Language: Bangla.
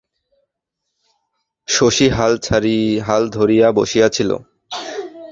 শশী হাল ধরিয়া বসিয়াছিল।